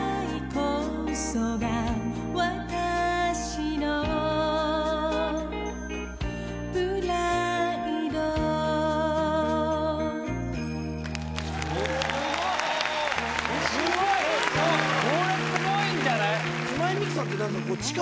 これすごいんじゃない？